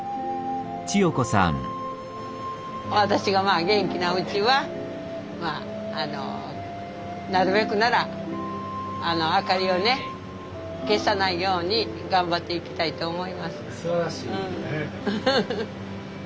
私がまあ元気なうちはなるべくなら明かりをね消さないように頑張っていきたいと思います。